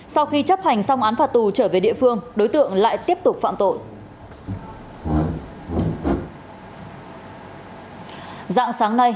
sau khi chấp hành xong án phạt tù trở về địa phương đối tượng lại tiếp tục phạm tội